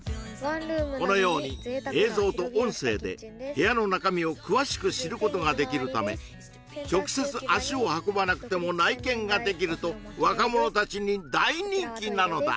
このように映像と音声で部屋の中身を詳しく知ることができるため直接足を運ばなくても内見ができると若者達に大人気なのだ